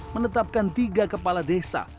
menetapkan tiga kepala desa